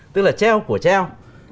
tức là treo của treo